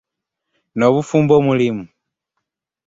N'obufumbo mulimu?